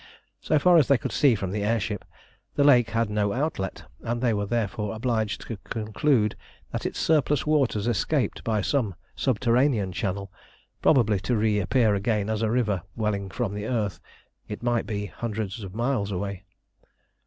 So far as they could see from the air ship, the lake had no outlet, and they were therefore obliged to conclude that its surplus waters escaped by some subterranean channel, probably to reappear again as a river welling from the earth, it might be, hundreds of miles away.